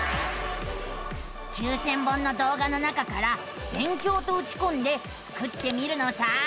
９，０００本の動画の中から「勉強」とうちこんでスクってみるのさあ。